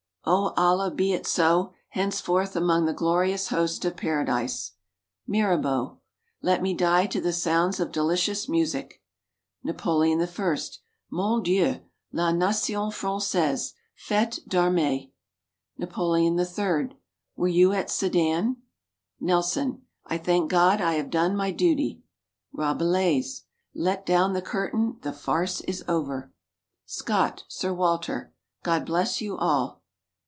"Oh Allah, be it so! Henceforth among the glorious host of Paradise." Mirabeau. "Let me die to the sounds of delicious music." Napoleon I. "Mon Dieu! La nation Française! Fête d'armée." Napoleon III. "Were you at Sedan?" Nelson. "I thank God I have done my duty." Rabelais. "Let down the curtain, the farce is over." Scott, Sir Walter. "God bless you all!"